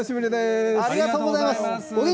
ありがとうございます。